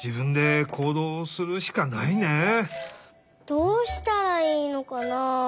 どうしたらいいのかな？